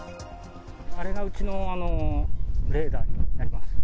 あれがうちのレーダーになります。